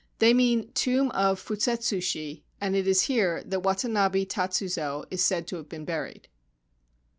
They mean Tomb of Futetsu shi, and it is here that Watanabe Tatsuzo is said to have been buried.